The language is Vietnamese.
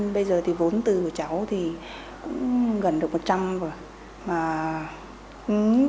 bây giờ thì vốn từ của cháu thì cũng gần được một trăm rồi